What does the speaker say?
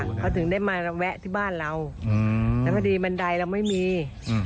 เขาถึงได้มาแวะที่บ้านเราแล้วพอดีบันไดเราไม่มี